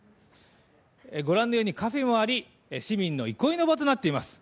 ご覧のようにカフェもあり市民のいこいの場となっています。